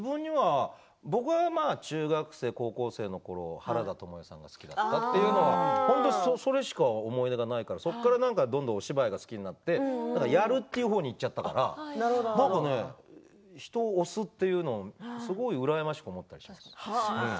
僕は中学生、高校生のころ原田知世さんが好きでそれしか思い出がないからそこからどんどんお芝居が好きになってお芝居をやるというふうにいっちゃったから何か人を推すというのは羨ましいなと思って。